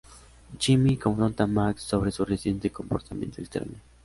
Jimmy confronta a Max sobre su reciente comportamiento extraño.